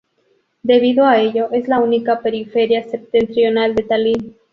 Debido a ello, es la única periferia septentrional de Tallin.